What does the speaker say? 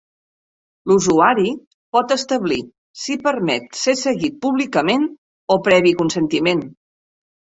L'usuari pot establir si permet ser seguit públicament o previ consentiment.